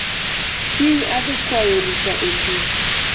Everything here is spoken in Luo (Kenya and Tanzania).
Kiny adhii kwayo rusa e tich